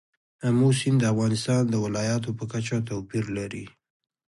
آمو سیند د افغانستان د ولایاتو په کچه توپیر لري.